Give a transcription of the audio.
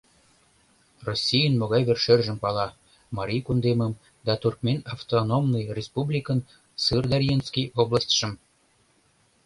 Российын могай вер-шӧржым пала — Марий кундемым да Туркмен автономный республикын Сырдарьинский областьшым